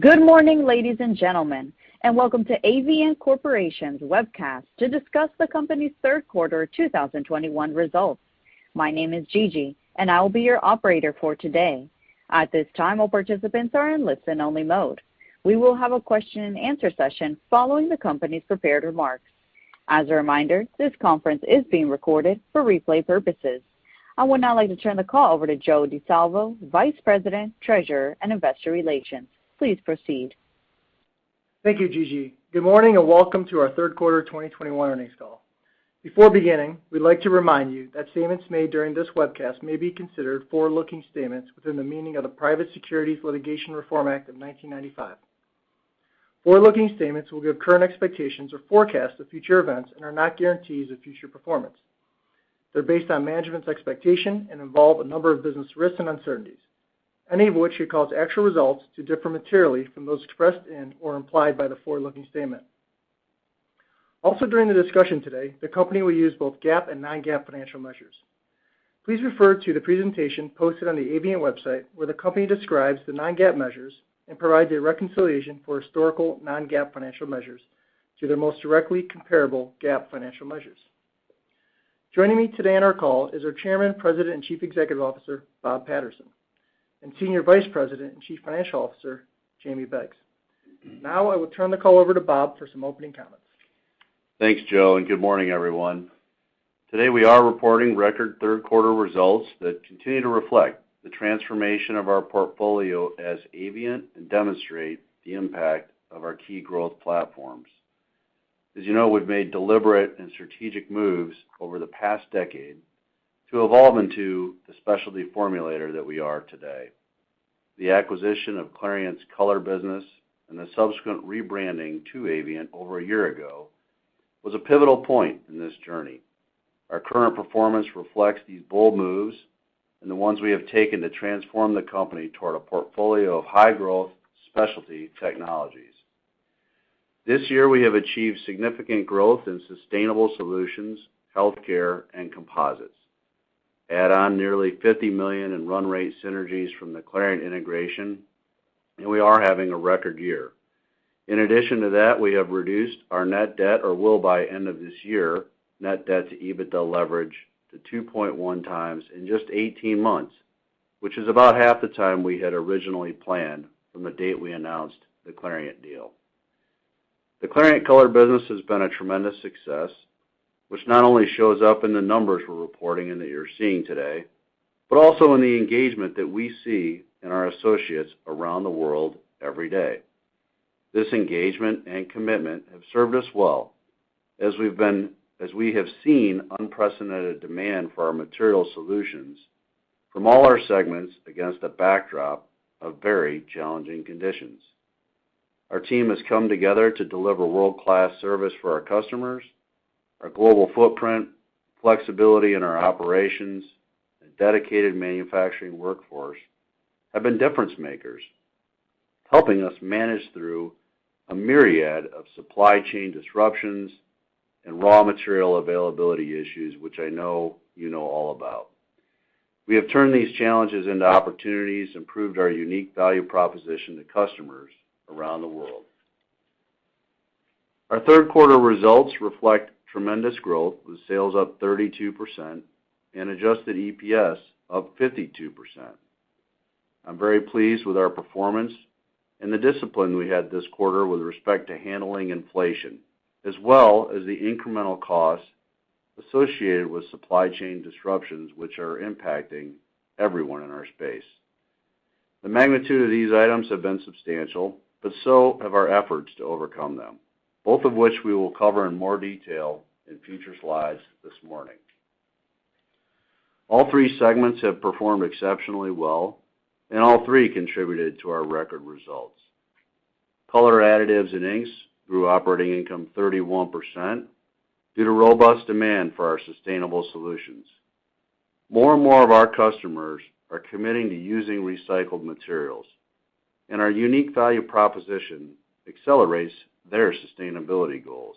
Good morning, ladies and gentlemen, and welcome to Avient Corporation's webcast to discuss the company's Q3 2021 results. My name is Gigi, and I will be your operator for today. At this time, all participants are in listen-only mode. We will have a question-and-answer session following the company's prepared remarks. As a reminder, this conference is being recorded for replay purposes. I would now like to turn the call over to Joe Di Salvo, Vice President, Treasurer, and Investor Relations. Please proceed. Thank you, Gigi. Good morning, and welcome to our Q3 2021 Earnings Call. Before beginning, we'd like to remind you that statements made during this webcast may be considered forward-looking statements within the meaning of the Private Securities Litigation Reform Act of 1995. Forward-looking statements will give current expectations or forecasts of future events and are not guarantees of future performance. They're based on management's expectation and involve a number of business risks and uncertainties, any of which could cause actual results to differ materially from those expressed and/or implied by the forward-looking statement. Also, during the discussion today, the company will use both GAAP and non-GAAP financial measures. Please refer to the presentation posted on the Avient website, where the company describes the non-GAAP measures and provides a reconciliation for historical non-GAAP financial measures to their most directly comparable GAAP financial measures. Joining me today on our call is our Chairman, President, and Chief Executive Officer, Bob Patterson, and Senior Vice President and Chief Financial Officer, Jamie Beggs. Now, I will turn the call over to Bob for some opening comments. Thanks, Joe, and good morning, everyone. Today, we are reporting record Q3 results that continue to reflect the transformation of our portfolio as Avient and demonstrate the impact of our key growth platforms. As you know, we've made deliberate and strategic moves over the past decade to evolve into the specialty formulator that we are today. The acquisition of Clariant's color business and the subsequent rebranding to Avient over a year ago was a pivotal point in this journey. Our current performance reflects these bold moves and the ones we have taken to transform the company toward a portfolio of high-growth specialty technologies. This year, we have achieved significant growth in sustainable solutions, healthcare, and composites. Add on nearly $50 million in run rate synergies from the Clariant integration, and we are having a record year. In addition to that, we have reduced our net debt, or will by end of this year, net debt to EBITDA leverage to 2.1 times in just 18 months, which is about half the time we had originally planned from the date we announced the Clariant deal. The Clariant color business has been a tremendous success, which not only shows up in the numbers we're reporting and that you're seeing today, but also in the engagement that we see in our associates around the world every day. This engagement and commitment have served us well as we have seen unprecedented demand for our material solutions from all our segments against a backdrop of very challenging conditions. Our team has come together to deliver world-class service for our customers. Our global footprint, flexibility in our operations, and dedicated manufacturing workforce have been difference makers, helping us manage through a myriad of supply chain disruptions and raw material availability issues, which I know you know all about. We have turned these challenges into opportunities and proved our unique value proposition to customers around the world. Our Q2 results reflect tremendous growth, with sales up 32% and adjusted EPS up 52%. I'm very pleased with our performance and the discipline we had this quarter with respect to handling inflation, as well as the incremental costs associated with supply chain disruptions, which are impacting everyone in our space. The magnitude of these items have been substantial, but so have our efforts to overcome them, both of which we will cover in more detail in future slides this morning. All three segments have performed exceptionally well, and all three contributed to our record results. Color, Additives and Inks grew operating income 31% due to robust demand for our sustainable solutions. More and more of our customers are committing to using recycled materials, and our unique value proposition accelerates their sustainability goals.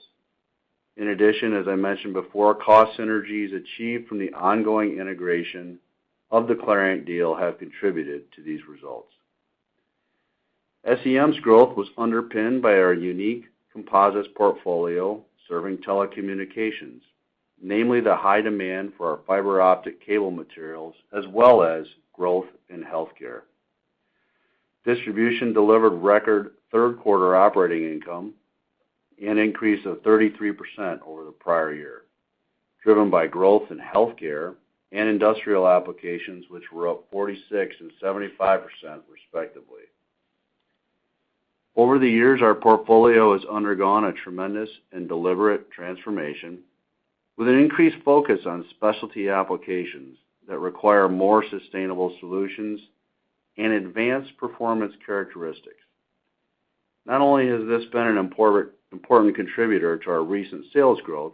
In addition, as I mentioned before, cost synergies achieved from the ongoing integration of the Clariant deal have contributed to these results. SEM's growth was underpinned by our unique composites portfolio serving telecommunications, namely the high demand for our fiber optic cable materials as well as growth in healthcare. Distribution delivered record Q2 operating income, an increase of 33% over the prior year, driven by growth in healthcare and industrial applications, which were up 46% and 75% respectively. Over the years, our portfolio has undergone a tremendous and deliberate transformation with an increased focus on specialty applications that require more sustainable solutions and advanced performance characteristics. Not only has this been an important contributor to our recent sales growth,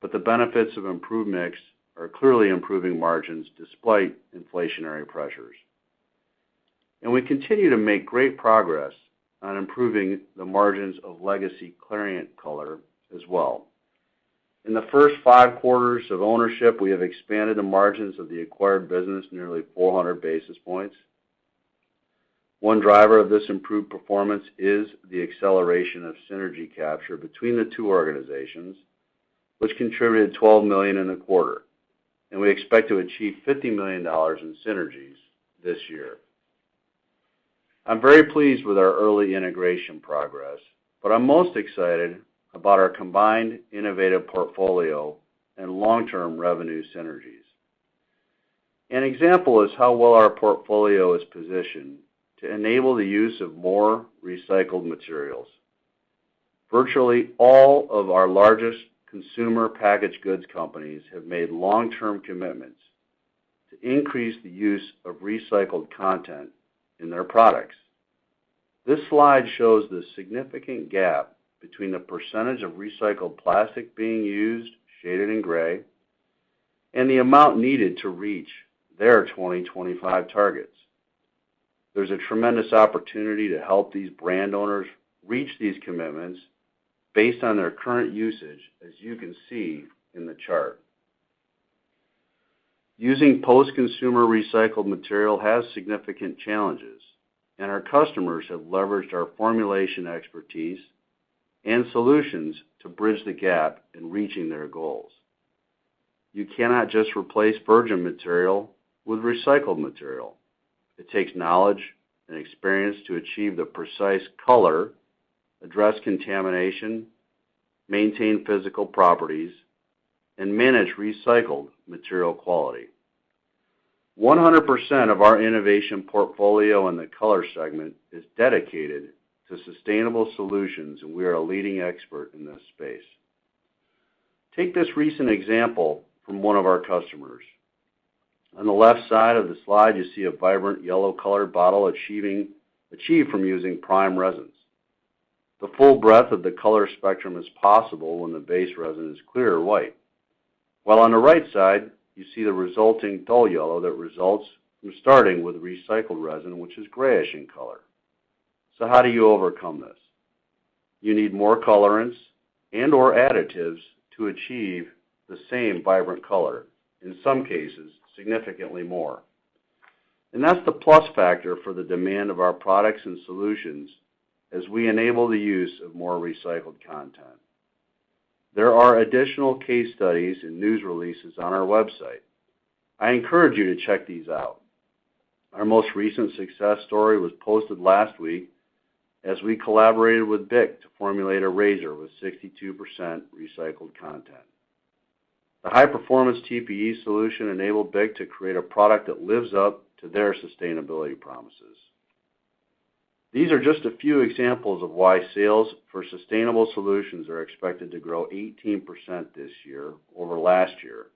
but the benefits of improved mix are clearly improving margins despite inflationary pressures. We continue to make great progress on improving the margins of legacy Clariant color as well. In the first 5 quarters of ownership, we have expanded the margins of the acquired business nearly 400 basis points. One driver of this improved performance is the acceleration of synergy capture between the two organizations, which contributed $12 million in a quarter, and we expect to achieve $50 million in synergies this year. I'm very pleased with our early integration progress, but I'm most excited about our combined innovative portfolio and long-term revenue synergies. An example is how well our portfolio is positioned to enable the use of more recycled materials. Virtually all of our largest consumer packaged goods companies have made long-term commitments to increase the use of recycled content in their products. This slide shows the significant gap between the percentage of recycled plastic being used, shaded in gray, and the amount needed to reach their 2025 targets. There's a tremendous opportunity to help these brand owners reach these commitments based on their current usage, as you can see in the chart. Using post-consumer recycled material has significant challenges, and our customers have leveraged our formulation expertise and solutions to bridge the gap in reaching their goals. You cannot just replace virgin material with recycled material. It takes knowledge and experience to achieve the precise color, address contamination, maintain physical properties, and manage recycled material quality. 100% of our innovation portfolio in the color segment is dedicated to sustainable solutions, and we are a leading expert in this space. Take this recent example from one of our customers. On the left side of the slide, you see a vibrant yellow color bottle achieved from using prime resins. The full breadth of the color spectrum is possible when the base resin is clear or white. While on the right side, you see the resulting dull yellow that results from starting with recycled resin, which is grayish in color. How do you overcome this? You need more colorants and/or additives to achieve the same vibrant color, in some cases, significantly more. That's the plus factor for the demand of our products and solutions as we enable the use of more recycled content. There are additional case studies and news releases on our website. I encourage you to check these out. Our most recent success story was posted last week as we collaborated with BIC to formulate a razor with 62% recycled content. The high-performance TPE solution enabled BIC to create a product that lives up to their sustainability promises. These are just a few examples of why sales for sustainable solutions are expected to grow 18% this year over last year,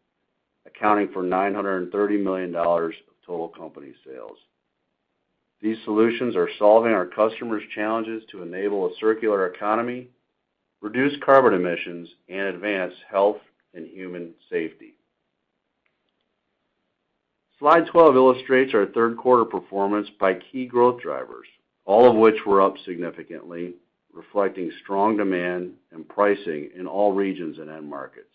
accounting for $930 million of total company sales. These solutions are solving our customers' challenges to enable a circular economy, reduce carbon emissions, and advance health and human safety. Slide 12 illustrates our Q2 performance by key growth drivers, all of which were up significantly, reflecting strong demand and pricing in all regions and end markets.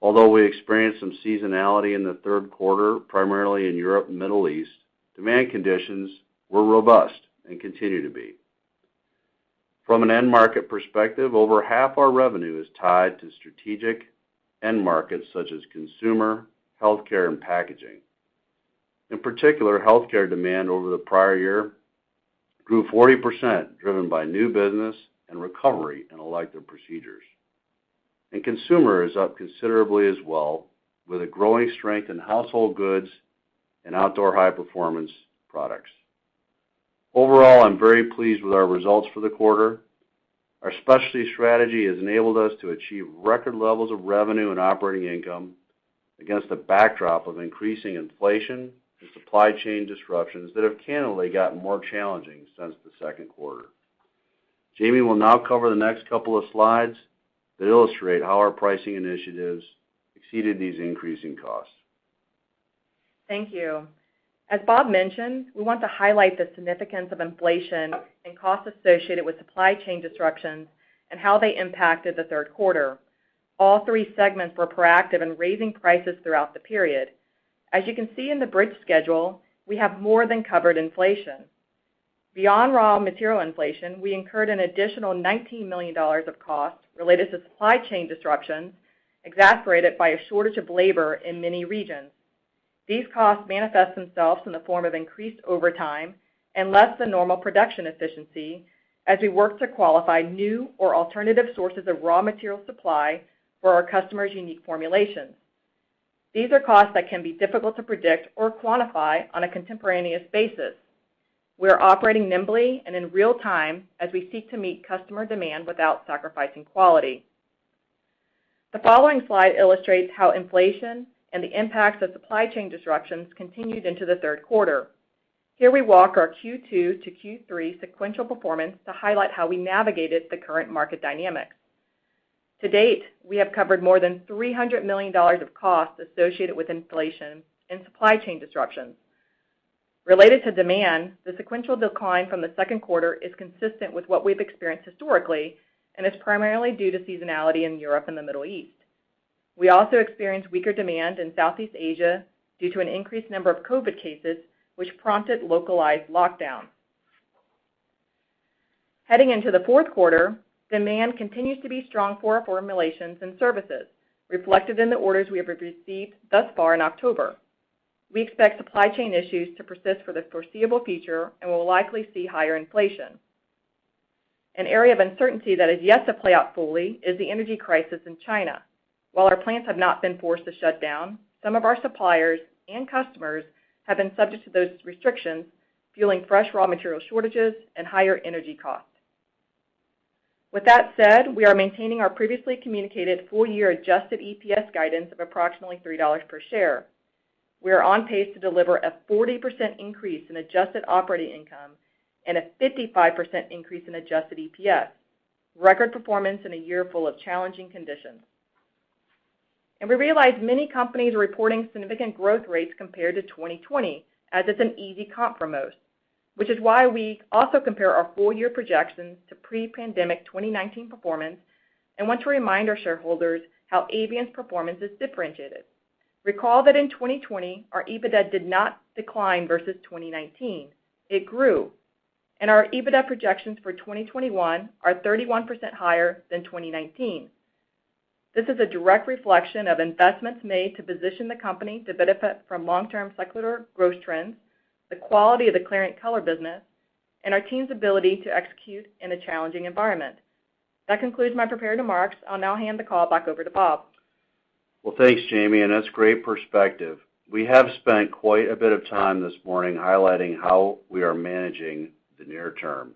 Although we experienced some seasonality in the Q3, primarily in Europe and Middle East, demand conditions were robust and continue to be. From an end market perspective, over half our revenue is tied to strategic end markets such as consumer, healthcare, and packaging. In particular, healthcare demand over the prior year grew 40%, driven by new business and recovery in elective procedures. Consumer is up considerably as well, with a growing strength in household goods and outdoor high-performance products. Overall, I'm very pleased with our results for the quarter. Our specialty strategy has enabled us to achieve record levels of revenue and operating income against the backdrop of increasing inflation and supply chain disruptions that have candidly gotten more challenging since the Q2. Jamie will now cover the next couple of slides that illustrate how our pricing initiatives exceeded these increasing costs. Thank you. As Bob mentioned, we want to highlight the significance of inflation and costs associated with supply chain disruptions and how they impacted the Q3. All three segments were proactive in raising prices throughout the period. As you can see in the bridge schedule, we have more than covered inflation. Beyond raw material inflation, we incurred an additional $19 million of costs related to supply chain disruptions, exacerbated by a shortage of labor in many regions. These costs manifest themselves in the form of increased overtime and less than normal production efficiency as we work to qualify new or alternative sources of raw material supply for our customers' unique formulations. These are costs that can be difficult to predict or quantify on a contemporaneous basis. We are operating nimbly and in real time as we seek to meet customer demand without sacrificing quality. The following slide illustrates how inflation and the impacts of supply chain disruptions continued into the Q3. Here we walk our Q2 to Q3 sequential performance to highlight how we navigated the current market dynamics. To date, we have covered more than $300 million of costs associated with inflation and supply chain disruptions. Related to demand, the sequential decline from the Q2 is consistent with what we've experienced historically and is primarily due to seasonality in Europe and the Middle East. We also experienced weaker demand in Southeast Asia due to an increased number of COVID cases, which prompted localized lockdowns. Heading into the Q4, demand continues to be strong for our formulations and services, reflected in the orders we have received thus far in October. We expect supply chain issues to persist for the foreseeable future and will likely see higher inflation. An area of uncertainty that is yet to play out fully is the energy crisis in China. While our plants have not been forced to shut down, some of our suppliers and customers have been subject to those restrictions, fueling fresh raw material shortages and higher energy costs. With that said, we are maintaining our previously communicated full-year adjusted EPS guidance of approximately $3 per share. We are on pace to deliver a 40% increase in adjusted operating income and a 55% increase in adjusted EPS, record performance in a year full of challenging conditions. We realize many companies are reporting significant growth rates compared to 2020, as it's an easy comp for most, which is why we also compare our full-year projections to pre-pandemic 2019 performance and want to remind our shareholders how Avient's performance is differentiated. Recall that in 2020, our EBITDA did not decline versus 2019. It grew. Our EBITDA projections for 2021 are 31% higher than 2019. This is a direct reflection of investments made to position the company to benefit from long-term secular growth trends, the quality of the Clariant color business, and our team's ability to execute in a challenging environment. That concludes my prepared remarks. I'll now hand the call back over to Bob. Well, thanks, Jamie, and that's great perspective. We have spent quite a bit of time this morning highlighting how we are managing the near term.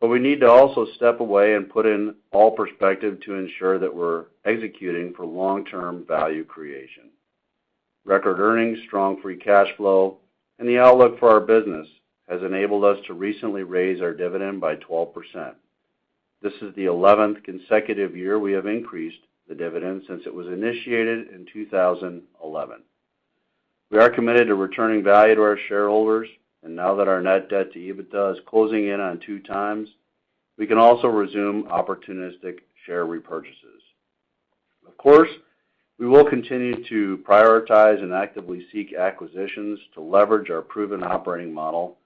We need to also step away and put it all in perspective to ensure that we're executing for long-term value creation. Record earnings, strong free cash flow, and the outlook for our business has enabled us to recently raise our dividend by 12%. This is the 11th consecutive year we have increased the dividend since it was initiated in 2011. We are committed to returning value to our shareholders, and now that our net debt to EBITDA is closing in on 2x, we can also resume opportunistic share repurchases. Of course, we will continue to prioritize and actively seek acquisitions to leverage our proven operating model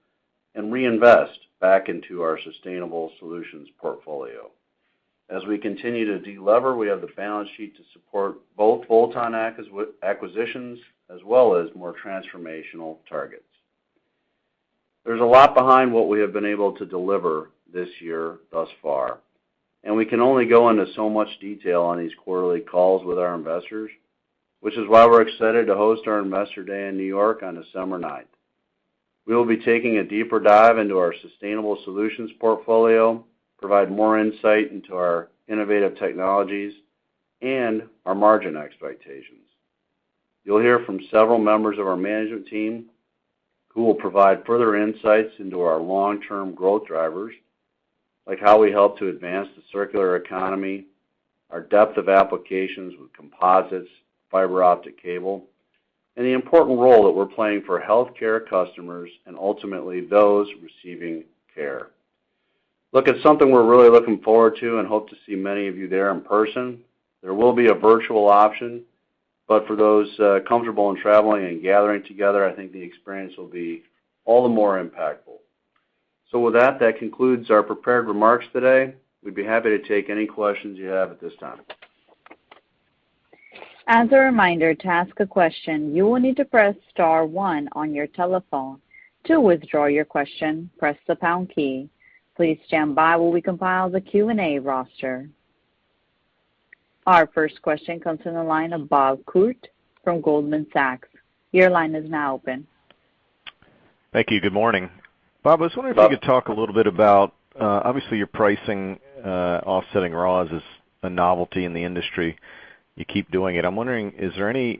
and reinvest back into our sustainable solutions portfolio. As we continue to de-lever, we have the balance sheet to support both bolt-on acquisitions as well as more transformational targets. There's a lot behind what we have been able to deliver this year thus far, and we can only go into so much detail on these quarterly calls with our investors, which is why we're excited to host our Investor Day in New York on December ninth. We will be taking a deeper dive into our sustainable solutions portfolio, provide more insight into our innovative technologies, and our margin expectations. You'll hear from several members of our management team, who will provide further insights into our long-term growth drivers, like how we help to advance the circular economy, our depth of applications with composites, fiber optic cable, and the important role that we're playing for healthcare customers and ultimately those receiving care. Look, it's something we're really looking forward to and hope to see many of you there in person. There will be a virtual option, but for those comfortable in traveling and gathering together, I think the experience will be all the more impactful. With that concludes our prepared remarks today. We'd be happy to take any questions you have at this time. As a reminder, to ask a question, you will need to press star one on your telephone. To withdraw your question, press the pound key. Please stand by while we compile the Q&A roster. Our first question comes from the line of Bob Koort from Goldman Sachs. Your line is now open. Thank you. Good morning. Bob- Bob, I was wondering if you could talk a little bit about, obviously your pricing, offsetting raws is a novelty in the industry. You keep doing it. I'm wondering, is there any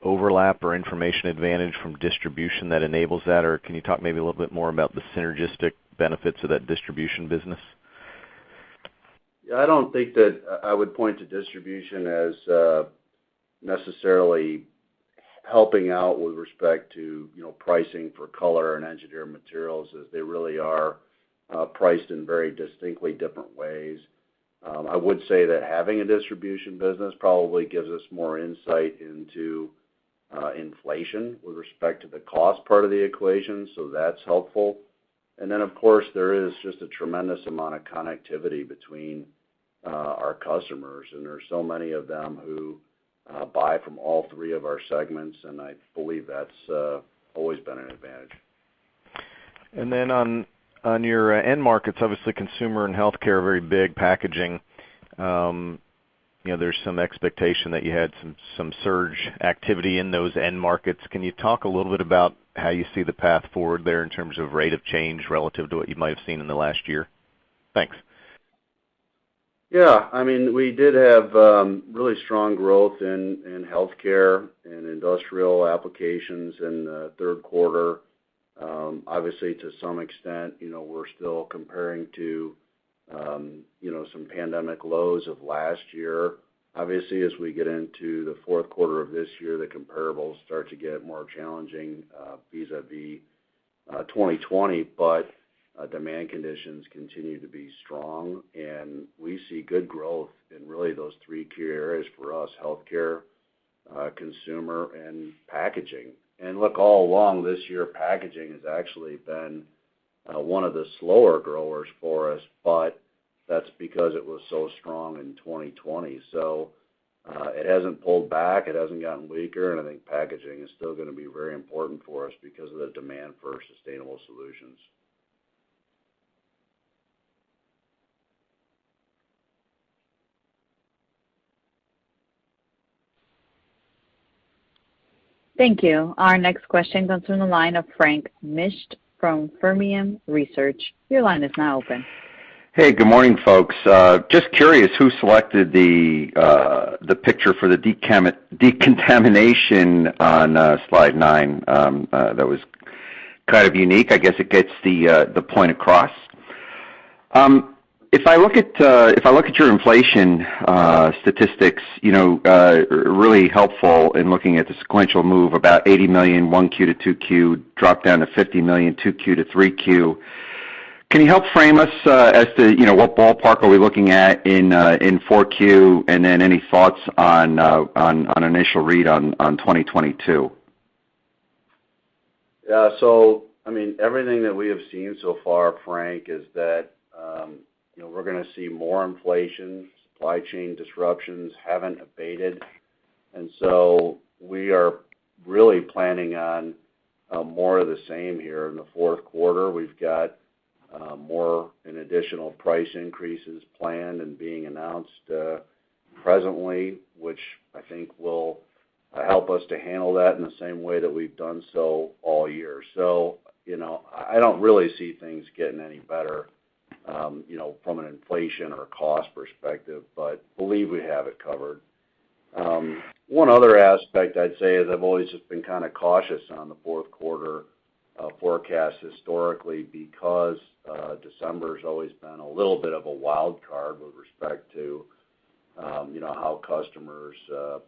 overlap or information advantage from distribution that enables that? Or can you talk maybe a little bit more about the synergistic benefits of that distribution business? Yeah, I don't think that I would point to Distribution as necessarily helping out with respect to, you know, pricing for Color and Engineered Materials as they really are priced in very distinctly different ways. I would say that having a Distribution business probably gives us more insight into inflation with respect to the cost part of the equation. That's helpful. Of course, there is just a tremendous amount of connectivity between our customers, and there's so many of them who buy from all three of our segments, and I believe that's always been an advantage. On your end markets, obviously consumer and healthcare are very big, packaging. You know, there's some expectation that you had some surge activity in those end markets. Can you talk a little bit about how you see the path forward there in terms of rate of change relative to what you might have seen in the last year? Thanks. Yeah. I mean, we did have really strong growth in healthcare and industrial applications in the Q3. Obviously, to some extent, you know, we're still comparing to, you know, some pandemic lows of last year. Obviously, as we get into the Q4 of this year, the comparables start to get more challenging vis-à-vis 2020. Demand conditions continue to be strong, and we see good growth in really those three key areas for us, healthcare, consumer and packaging. Look, all along this year, packaging has actually been one of the slower growers for us, but that's because it was so strong in 2020. It hasn't pulled back, it hasn't gotten weaker, and I think packaging is still going to be very important for us because of the demand for sustainable solutions. Thank you. Our next question comes from the line of Frank Mitsch from Fermium Research. Your line is now open. Hey, good morning, folks. Just curious who selected the picture for the decontamination on slide nine. That was kind of unique. I guess it gets the point across. If I look at your inflation statistics, you know, really helpful in looking at the sequential move, about $80 million, 1Q to 2Q, dropped down to $50 million, 2Q to 3Q. Can you help frame us as to, you know, what ballpark are we looking at in 4Q? And then any thoughts on initial read on 2022? Yeah. I mean, everything that we have seen so far, Frank, is that, you know, we're gonna see more inflation. Supply chain disruptions haven't abated, and so we are really planning on more of the same here in the Q4. We've got more and additional price increases planned and being announced presently, which I think will help us to handle that in the same way that we've done so all year. You know, I don't really see things getting any better, you know, from an inflation or a cost perspective, but believe we have it covered. One other aspect I'd say is I've always just been kind of cautious on the Q4 forecast historically because December's always been a little bit of a wild card with respect to, you know, how customers'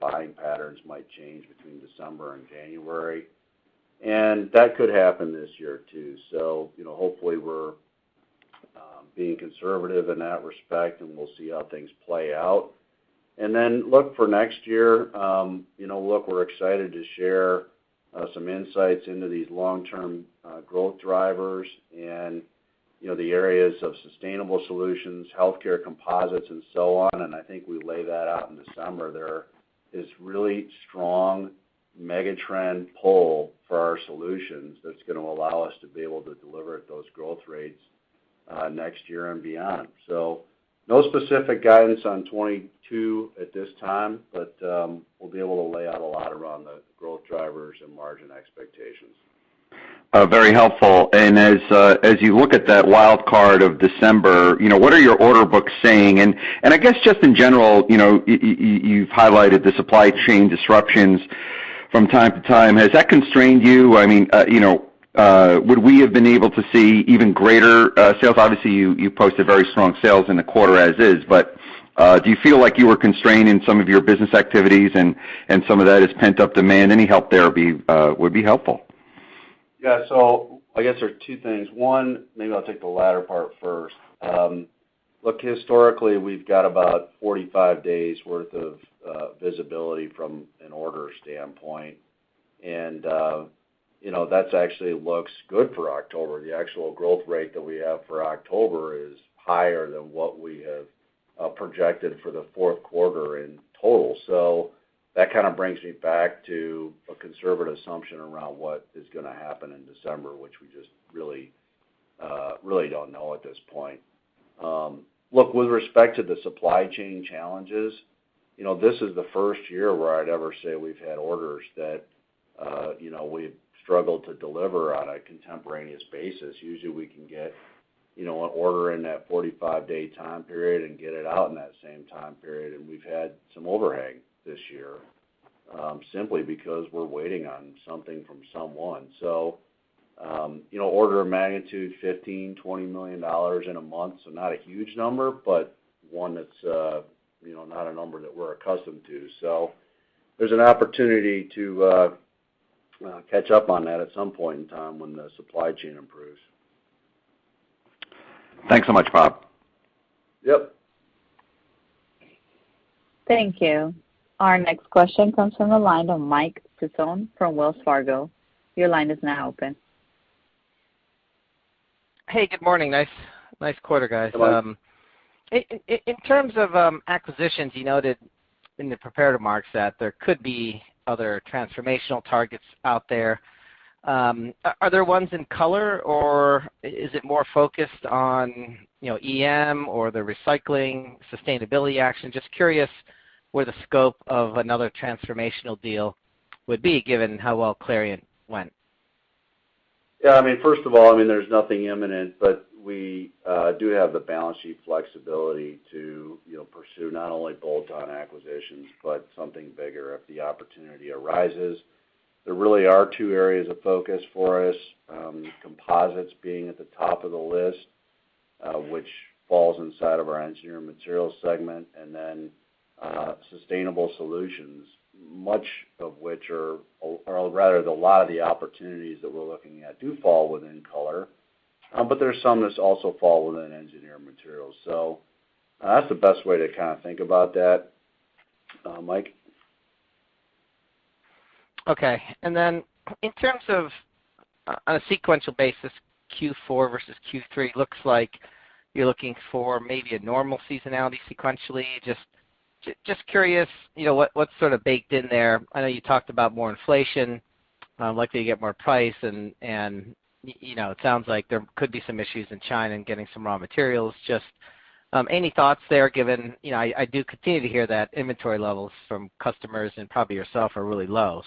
buying patterns might change between December and January. That could happen this year, too. You know, hopefully we're being conservative in that respect, and we'll see how things play out. Look for next year, you know, look, we're excited to share some insights into these long-term growth drivers and, you know, the areas of sustainable solutions, healthcare composites and so on. I think we lay that out in December. There is really strong mega trend pull for our solutions that's gonna allow us to be able to deliver at those growth rates next year and beyond. No specific guidance on 2022 at this time, but we'll be able to lay out a lot around the growth drivers and margin expectations. Very helpful. As you look at that wild card of December, you know, what are your order books saying? I guess just in general, you know, you've highlighted the supply chain disruptions from time to time. Has that constrained you? I mean, you know, would we have been able to see even greater sales? Obviously, you posted very strong sales in the quarter as is. Do you feel like you were constrained in some of your business activities and some of that is pent-up demand? Any help there would be helpful. Yeah. I guess there are two things. One, maybe I'll take the latter part first. Look, historically, we've got about 45 days worth of visibility from an order standpoint. You know, that actually looks good for October. The actual growth rate that we have for October is higher than what we have projected for the Q4 in total. That kind of brings me back to a conservative assumption around what is gonna happen in December, which we just really don't know at this point. Look, with respect to the supply chain challenges, you know, this is the first year where I'd ever say we've had orders that, you know, we've struggled to deliver on a contemporaneous basis. Usually, we can get, you know, an order in that 45-day time period and get it out in that same time period, and we've had some overhang this year, simply because we're waiting on something from someone. You know, order of magnitude, $15 to 20 million in a month. Not a huge number, but one that's, you know, not a number that we're accustomed to. There's an opportunity to catch up on that at some point in time when the supply chain improves. Thanks so much, Bob. Yep. Thank you. Our next question comes from the line of Michael Sison from Wells Fargo. Your line is now open. Hey, good morning. Nice, nice quarter, guys. Hello. In terms of acquisitions, you noted in the prepared remarks that there could be other transformational targets out there. Are there ones in color, or is it more focused on, you know, EM or the recycling sustainability action? Just curious where the scope of another transformational deal would be given how well Clariant went. Yeah. I mean, first of all, there's nothing imminent, but we do have the balance sheet flexibility to, you know, pursue not only bolt-on acquisitions, but something bigger if the opportunity arises. There really are two areas of focus for us, composites being at the top of the list, which falls inside of our Engineered Materials segment, and then, sustainable solutions, a lot of the opportunities that we're looking at do fall within Color, but there's some that's also fall within Engineered Materials. So that's the best way to kinda think about that, Mike. Okay. Then in terms of on a sequential basis, Q4 versus Q3, looks like you're looking for maybe a normal seasonality sequentially. Just curious, you know, what's sort of baked in there. I know you talked about more inflation, likely to get more price and, you know, it sounds like there could be some issues in China in getting some raw materials. Just any thoughts there given, you know, I do continue to hear that inventory levels from customers and probably yourself are really low.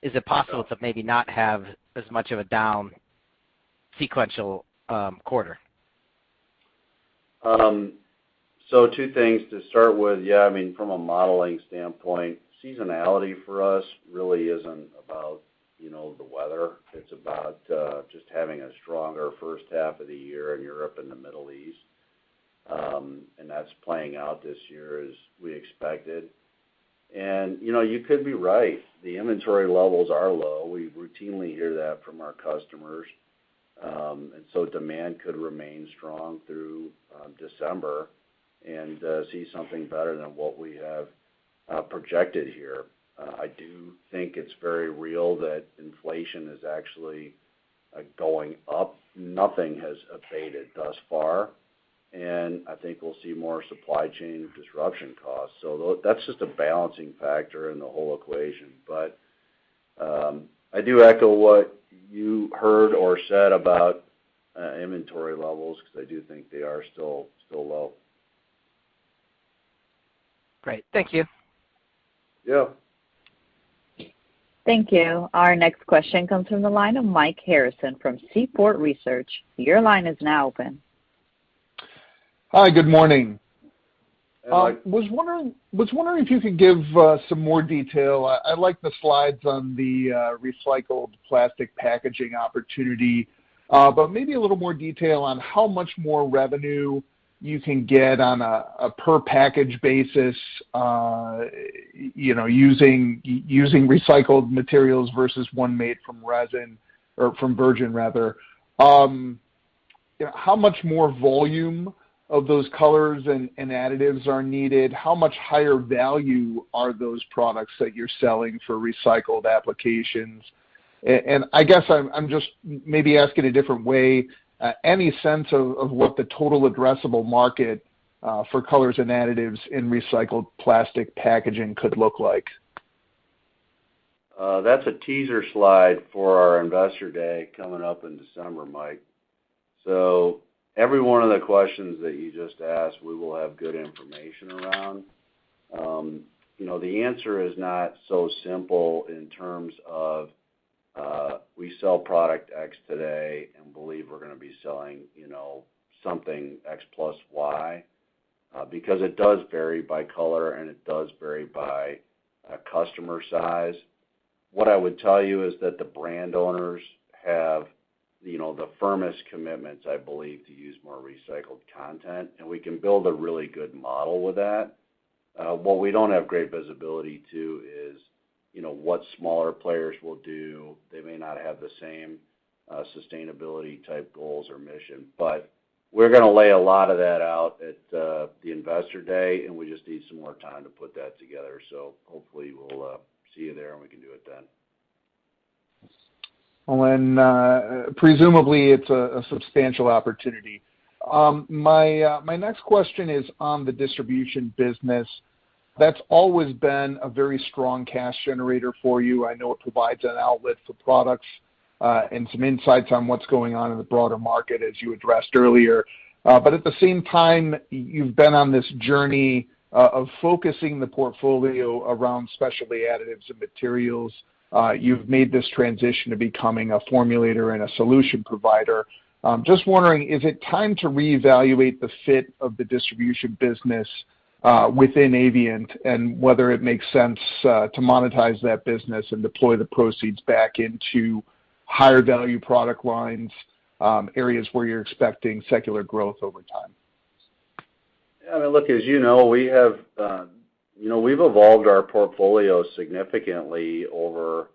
Is it possible to maybe not have as much of a down sequential quarter? Two things to start with. Yeah, I mean, from a modeling standpoint, seasonality for us really isn't about, you know, the weather. It's about just having a stronger first half of the year in Europe and the Middle East. That's playing out this year as we expected. You know, you could be right. The inventory levels are low. We routinely hear that from our customers. Demand could remain strong through December and see something better than what we have projected here. I do think it's very real that inflation is actually going up. Nothing has abated thus far, and I think we'll see more supply chain disruption costs. That's just a balancing factor in the whole equation. I do echo what you heard or said about inventory levels because I do think they are still low. Great. Thank you. Yeah. Thank you. Our next question comes from the line of Mike Harrison from Seaport Research. Your line is now open. Hi, good morning. Hi. Was wondering if you could give some more detail. I like the slides on the recycled plastic packaging opportunity, but maybe a little more detail on how much more revenue you can get on a per package basis, you know, using recycled materials versus one made from resin or from virgin rather. How much more volume of those colors and additives are needed? How much higher value are those products that you're selling for recycled applications? And I guess I'm just maybe asking a different way, any sense of what the total addressable market for colors and additives in recycled plastic packaging could look like? That's a teaser slide for our Investor Day coming up in December, Mike. Every one of the questions that you just asked, we will have good information around. You know, the answer is not so simple in terms of, we sell product X today and believe we're gonna be selling, you know, something X plus Y, because it does vary by color, and it does vary by, customer size. What I would tell you is that the brand owners have, you know, the firmest commitments, I believe, to use more recycled content, and we can build a really good model with that. What we don't have great visibility to is, you know, what smaller players will do. They may not have the same, sustainability type goals or mission. We're gonna lay a lot of that out at the Investor Day, and we just need some more time to put that together. Hopefully we'll see you there, and we can do it then. Well, presumably it's a substantial opportunity. My next question is on the distribution business. That's always been a very strong cash generator for you. I know it provides an outlet for products, and some insights on what's going on in the broader market as you addressed earlier. At the same time, you've been on this journey of focusing the portfolio around specialty additives and materials. You've made this transition to becoming a formulator and a solution provider. Just wondering, is it time to reevaluate the fit of the distribution business within Avient and whether it makes sense to monetize that business and deploy the proceeds back into higher value product lines, areas where you're expecting secular growth over time? Yeah, look, as you know, we have, you know, we've evolved our portfolio significantly over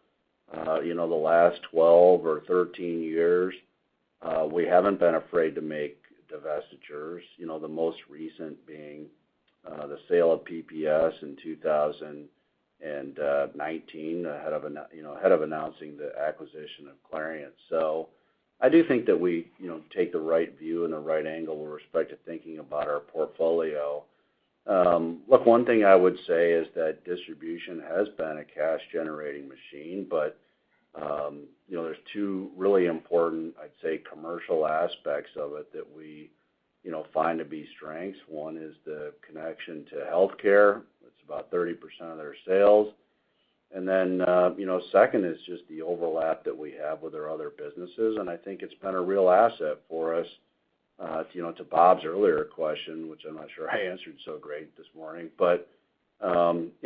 the last 12 or 13 years. We haven't been afraid to make divestitures. You know, the most recent being the sale of PP&S in 2019 ahead of announcing the acquisition of Clariant. I do think that we, you know, take the right view and the right angle with respect to thinking about our portfolio. Look, one thing I would say is that distribution has been a cash-generating machine, but, you know, there's two really important, I'd say, commercial aspects of it that we, you know, find to be strengths. One is the connection to healthcare. It's about 30% of their sales. You know, second is just the overlap that we have with our other businesses, and I think it's been a real asset for us. You know, to Bob's earlier question, which I'm not sure I answered so great this morning, but you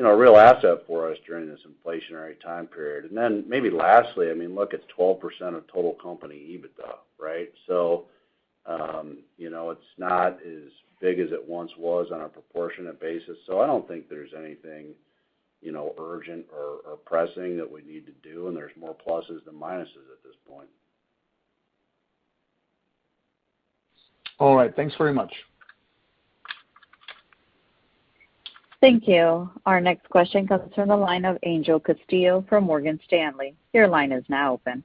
know, a real asset for us during this inflationary time period. Maybe lastly, I mean, look, it's 12% of total company EBITDA, right? You know, it's not as big as it once was on a proportionate basis, so I don't think there's anything, you know, urgent or pressing that we need to do, and there's more pluses than minuses at this point. All right. Thanks very much. Thank you. Our next question comes from the line of Angel Castillo from Morgan Stanley. Your line is now open.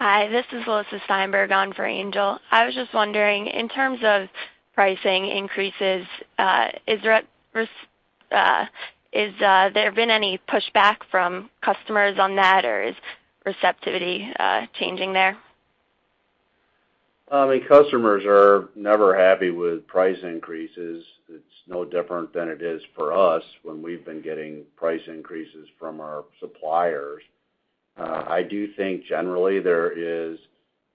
Hi, this is Alyssa Steinberg on for Angel. I was just wondering, in terms of pricing increases, has there been any pushback from customers on that, or is receptivity changing there? I mean, customers are never happy with price increases. It's no different than it is for us when we've been getting price increases from our suppliers. I do think generally there is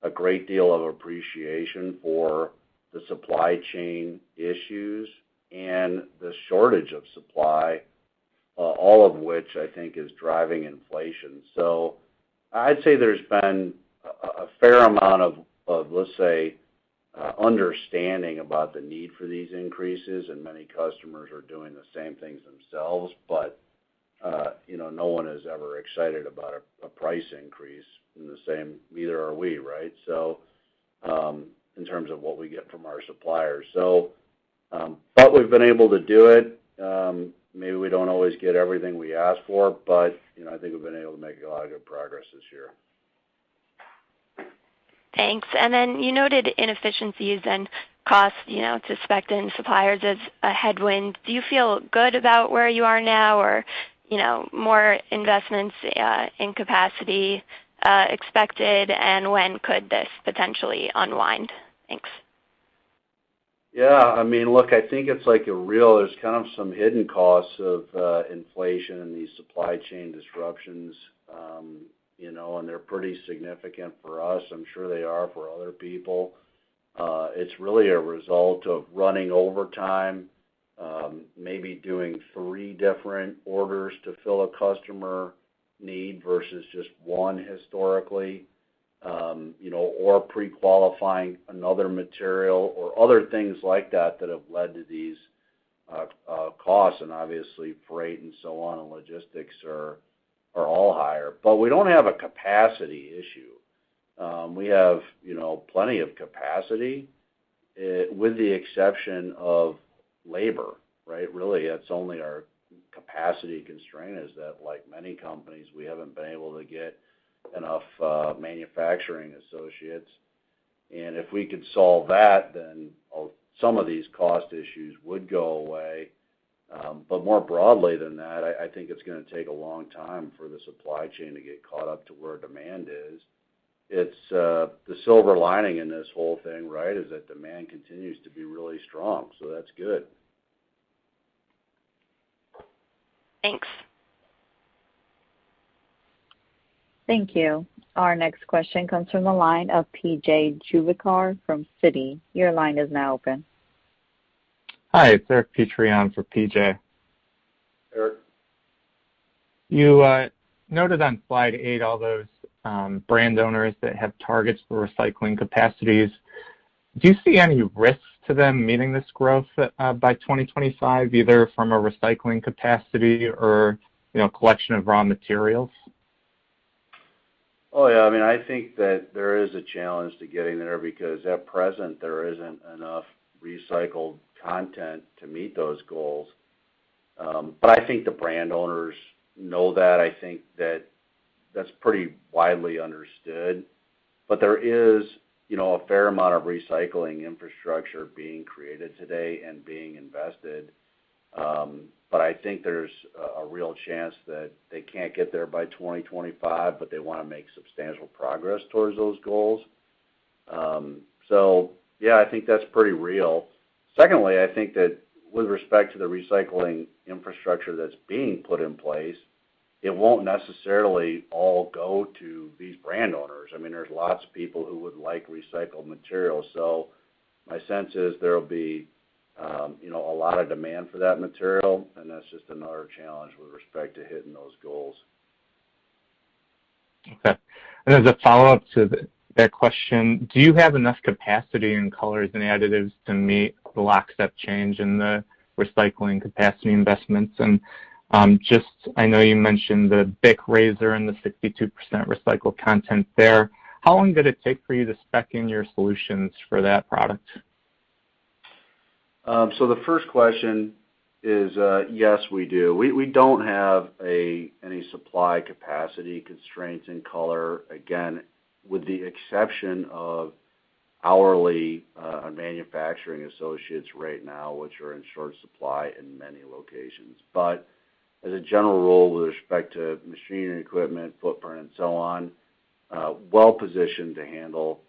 a great deal of appreciation for the supply chain issues and the shortage of supply, all of which I think is driving inflation. I'd say there's been a fair amount of, let's say, understanding about the need for these increases, and many customers are doing the same things themselves. You know, no one is ever excited about a price increase in the same, neither are we, right? In terms of what we get from our suppliers, but we've been able to do it. Maybe we don't always get everything we ask for, but, you know, I think we've been able to make a lot of good progress this year. Thanks. You noted inefficiencies and costs, you know, to spec in suppliers as a headwind. Do you feel good about where you are now or, you know, more investments, in capacity, expected? When could this potentially unwind? Thanks. Yeah. I mean, look, I think it's like a real. There's kind of some hidden costs of inflation and these supply chain disruptions. You know, they're pretty significant for us. I'm sure they are for other people. It's really a result of running overtime, maybe doing three different orders to fill a customer need versus just one historically, you know, or pre-qualifying another material or other things like that that have led to these costs. Obviously, freight and so on, and logistics are all higher. We don't have a capacity issue. We have, you know, plenty of capacity, with the exception of labor, right? Really, it's only our capacity constraint is that, like many companies, we haven't been able to get enough manufacturing associates. If we could solve that, then some of these cost issues would go away. But more broadly than that, I think it's gonna take a long time for the supply chain to get caught up to where demand is. It's the silver lining in this whole thing, right? Is that demand continues to be really strong, so that's good. Thanks. Thank you. Our next question comes from the line of P.J Juvekar from Citi. Your line is now open. Hi. It's Eric Petrie for PJ. Eric. You noted on slide eight all those brand owners that have targets for recycling capacities. Do you see any risks to them meeting this growth by 2025, either from a recycling capacity or, you know, collection of raw materials? Oh, yeah. I mean, I think that there is a challenge to getting there because at present, there isn't enough recycled content to meet those goals. I think the brand owners know that. I think that that's pretty widely understood. There is, you know, a fair amount of recycling infrastructure being created today and being invested. I think there's a real chance that they can't get there by 2025, but they wanna make substantial progress towards those goals. Yeah, I think that's pretty real. Secondly, I think that with respect to the recycling infrastructure that's being put in place, it won't necessarily all go to these brand owners. I mean, there's lots of people who would like recycled materials. My sense is there'll be, you know, a lot of demand for that material, and that's just another challenge with respect to hitting those goals. Okay. As a follow-up to that question, do you have enough capacity in colors and additives to meet the lockstep change in the recycling capacity investments? Just, I know you mentioned the BIC razor and the 62% recycled content there. How long did it take for you to spec in your solutions for that product? The first question is, yes, we do. We don't have any supply capacity constraints in Color, again, with the exception of hourly manufacturing associates right now, which are in short supply in many locations. As a general rule with respect to machinery, equipment, footprint, and so on, we are well positioned to handle,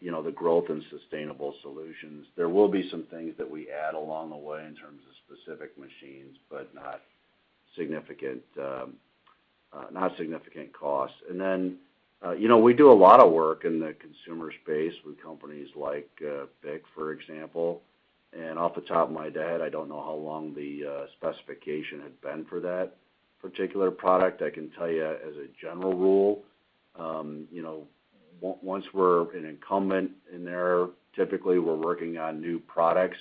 you know, the growth in sustainable solutions. There will be some things that we add along the way in terms of specific machines, but not significant costs. You know, we do a lot of work in the consumer space with companies like BIC, for example. Off the top of my head, I don't know how long the specification had been for that particular product. I can tell you as a general rule, you know, once we're an incumbent in there, typically we're working on new products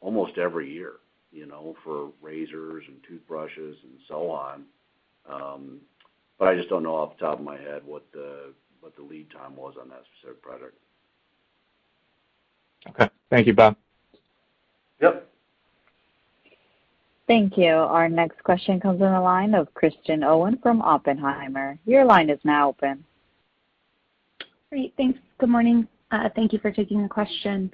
almost every year, you know, for razors and toothbrushes and so on. I just don't know off the top of my head what the lead time was on that specific product. Okay. Thank you, Bob. Yep. Thank you. Our next question comes from the line of Kristen Owen from Oppenheimer. Your line is now open. Great. Thanks. Good morning. Thank you for taking the question.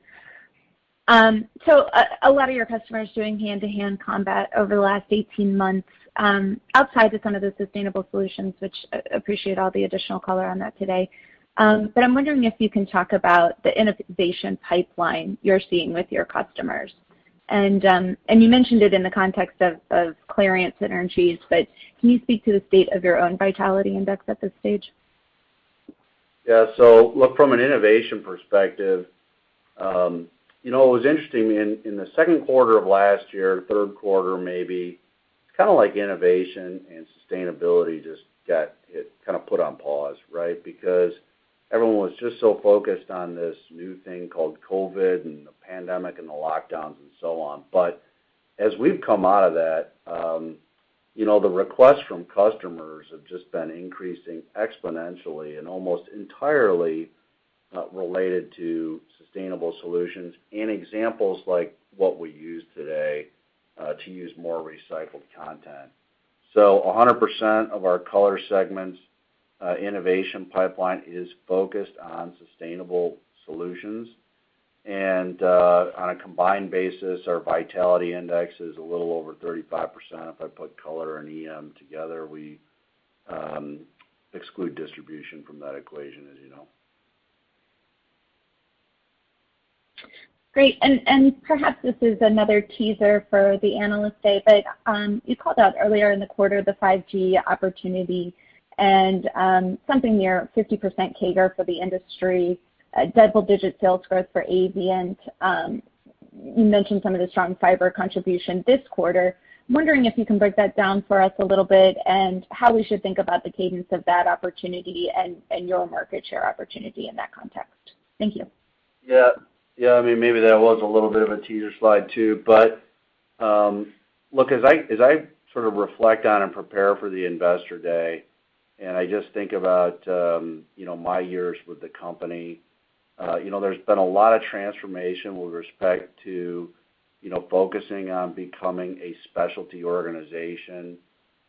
So a lot of your customers doing hand-to-hand combat over the last 18 months, outside of some of the sustainable solutions, which I appreciate all the additional color on that today. But I'm wondering if you can talk about the innovation pipeline you're seeing with your customers. You mentioned it in the context of clean energies, but can you speak to the state of your own Vitality Index at this stage? Yeah. Look, from an innovation perspective, you know, it was interesting in the Q2 of last year, Q3 maybe, it's kind of like innovation and sustainability just got hit, kind of put on pause, right? Because everyone was just so focused on this new thing called COVID and the pandemic and the lockdowns and so on. As we've come out of that, you know, the requests from customers have just been increasing exponentially and almost entirely related to sustainable solutions and examples like what we use today to use more recycled content. 100% of our color segments innovation pipeline is focused on sustainable solutions. On a combined basis, our Vitality Index is a little over 35%. If I put color and EM together, we exclude distribution from that equation, as you know. Great. Perhaps this is another teaser for the Analyst Day, but you called out earlier in the quarter the 5G opportunity and something near 50% CAGR for the industry, double-digit sales growth for AV. You mentioned some of the strong fiber contribution this quarter. I'm wondering if you can break that down for us a little bit and how we should think about the cadence of that opportunity and your market share opportunity in that context. Thank you. I mean, maybe that was a little bit of a teaser slide too. Look, as I sort of reflect on and prepare for the Investor Day, and I just think about you know, my years with the company, you know, there's been a lot of transformation with respect to you know, focusing on becoming a specialty organization,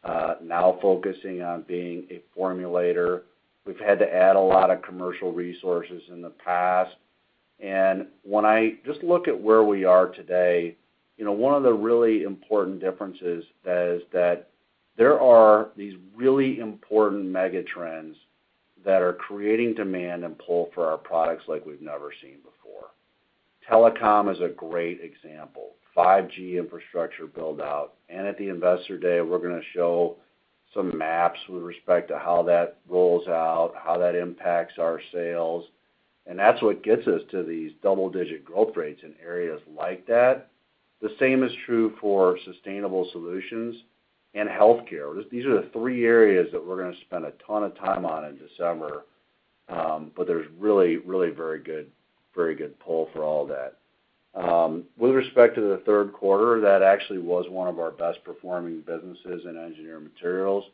now focusing on being a formulator. We've had to add a lot of commercial resources in the past. When I just look at where we are today, you know, one of the really important differences is that there are these really important mega trends that are creating demand and pull for our products like we've never seen before. Telecom is a great example. 5G infrastructure build-out. At the Investor Day, we're going to show some maps with respect to how that rolls out, how that impacts our sales. That's what gets us to these double-digit growth rates in areas like that. The same is true for sustainable solutions and healthcare. These are the three areas that we're going to spend a ton of time on in December. But there's really very good pull for all that. With respect to the Q3, that actually was one of our best performing businesses in engineering materials,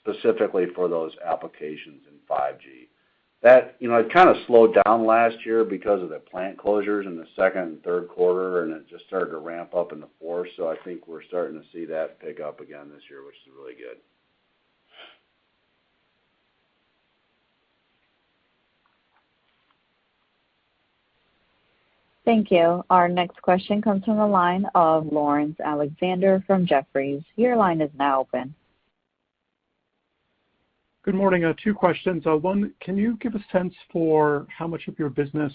specifically for those applications in 5G. That, you know, it kind of slowed down last year because of the plant closures in the second and Q3, and it just started to ramp up in the fourth. I think we're starting to see that pick up again this year, which is really good. Thank you. Our next question comes from the line of Laurence Alexander from Jefferies. Your line is now open. Good morning. Two questions. One, can you give a sense for how much of your business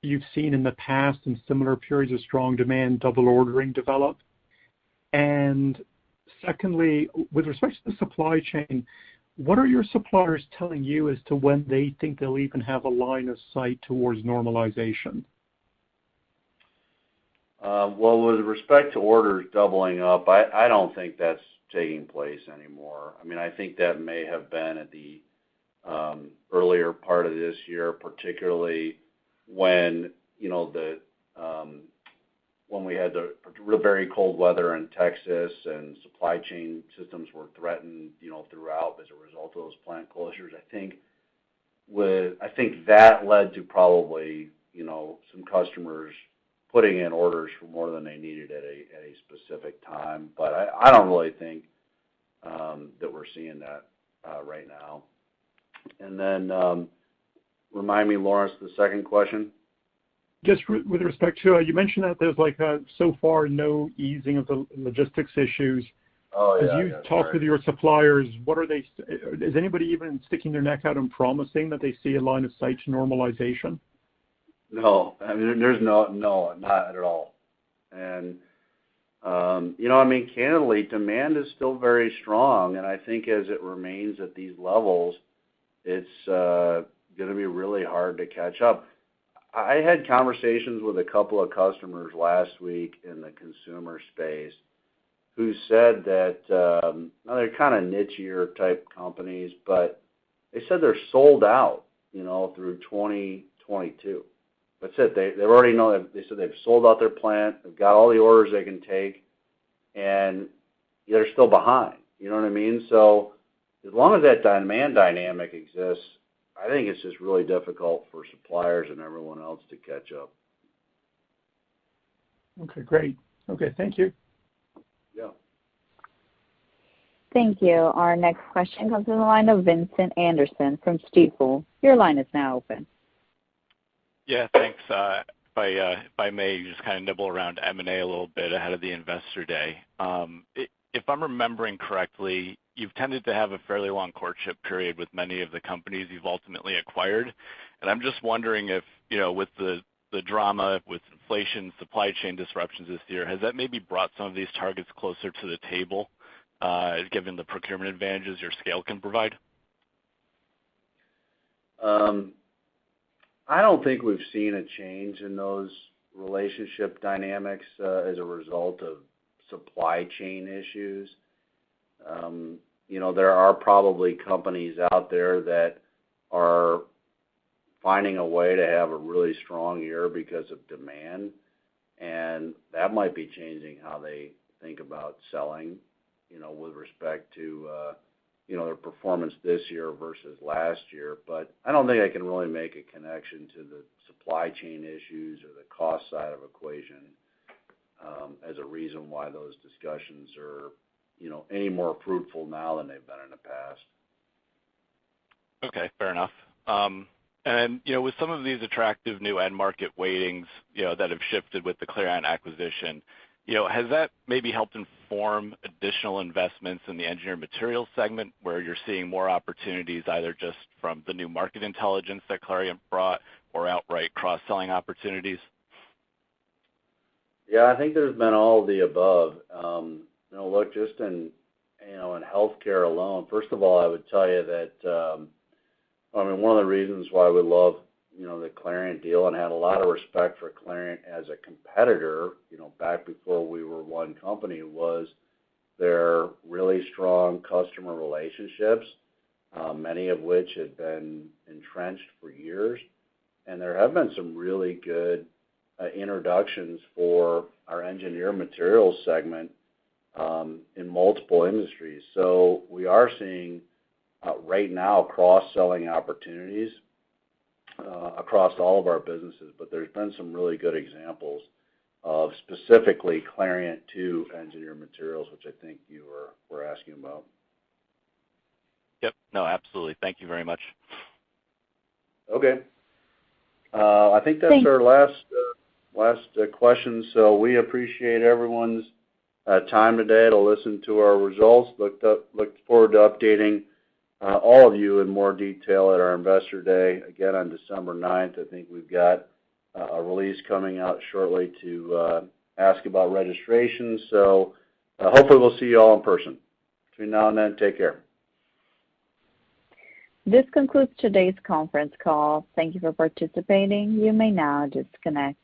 you've seen in the past in similar periods of strong demand double ordering developed? Secondly, with respect to the supply chain, what are your suppliers telling you as to when they think they'll even have a line of sight towards normalization? Well, with respect to orders doubling up, I don't think that's taking place anymore. I mean, I think that may have been at the earlier part of this year, particularly when, you know, when we had the very cold weather in Texas and supply chain systems were threatened, you know, throughout as a result of those plant closures. I think that led to probably, you know, some customers putting in orders for more than they needed at a specific time. But I don't really think that we're seeing that right now. Remind me, Lawrence, the second question. Just with respect to, you mentioned that there's like so far no easing of the logistics issues. Oh, yeah. Yeah. Sorry. As you talk with your suppliers, is anybody even sticking their neck out and promising that they see a line of sight to normalization? No. I mean, there's no, not at all. You know what I mean, candidly, demand is still very strong. I think as it remains at these levels, it's gonna be really hard to catch up. I had conversations with a couple of customers last week in the consumer space who said that now they're kinda niche-ier type companies, but they said they're sold out, you know, through 2022. That's it. They already know that. They said they've sold out their plant. They've got all the orders they can take, and they're still behind. You know what I mean? As long as that demand dynamic exists, I think it's just really difficult for suppliers and everyone else to catch up. Okay, great. Okay, thank you. Yeah. Thank you. Our next question comes from the line of Vincent Anderson from Stifel. Your line is now open. Yeah, thanks. If I may just kinda nibble around M&A a little bit ahead of the Investor Day. If I'm remembering correctly, you've tended to have a fairly long courtship period with many of the companies you've ultimately acquired, and I'm just wondering if, you know, with the drama with inflation, supply chain disruptions this year, has that maybe brought some of these targets closer to the table, given the procurement advantages your scale can provide? I don't think we've seen a change in those relationship dynamics as a result of supply chain issues. You know, there are probably companies out there that are finding a way to have a really strong year because of demand, and that might be changing how they think about selling, you know, with respect to you know, their performance this year versus last year. I don't think I can really make a connection to the supply chain issues or the cost side of equation as a reason why those discussions are, you know, any more fruitful now than they've been in the past. Okay. Fair enough. You know, with some of these attractive new end market weightings, you know, that have shifted with the Clariant acquisition, you know, has that maybe helped inform additional investments in the engineered materials segment where you're seeing more opportunities either just from the new market intelligence that Clariant brought or outright cross-selling opportunities? Yeah, I think there's been all of the above. You know, look just in, you know, in healthcare alone, first of all, I would tell you that, I mean, one of the reasons why we love, you know, the Clariant deal and had a lot of respect for Clariant as a competitor, you know, back before we were one company, was their really strong customer relationships, many of which had been entrenched for years. There have been some really good introductions for our Engineered Materials segment in multiple industries. We are seeing right now cross-selling opportunities across all of our businesses. There's been some really good examples of specifically Clariant to Engineered Materials which I think you were asking about. Yep. No, absolutely. Thank you very much. Okay. I think that's. Thanks our last question. We appreciate everyone's time today to listen to our results. We look forward to updating all of you in more detail at our Investor Day again on December 9th. I think we've got a release coming out shortly to ask about registration. Hopefully we'll see you all in person. Between now and then, take care. This concludes today's conference call. Thank you for participating. You may now disconnect.